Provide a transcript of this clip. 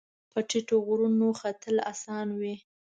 په ټیټو غرونو ختل اسان وي